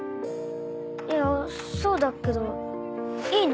いやそうだけどいいの？